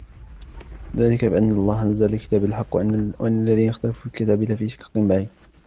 ذلك بأن الله نزل الكتاب بالحق وإن الذين اختلفوا في الكتاب لفي شقاق بعيد